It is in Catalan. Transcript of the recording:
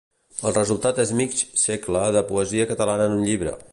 El resultat és mig segle de poesia catalana en un llibre.